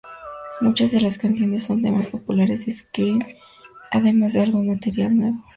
Muchas de las canciones son temas populares de Skynyrd, además de algún material nuevo.